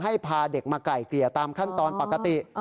พาเด็กมาไกล่เกลี่ยตามขั้นตอนปกติ